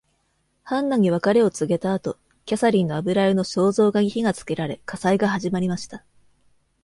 ハンナに別れを告げた後、キャサリンの油絵の肖像画に火がつけられ火災が始まりました。